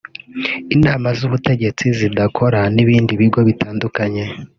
inama z’ubutegetsi zidakora n’ibindi mu bigo bitandukanye